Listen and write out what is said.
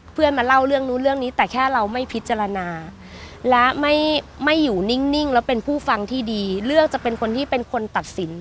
เพื่อนมาเล่าเรื่องนู้นเรื่องนี้แต่แค่เราไม่พิจารณา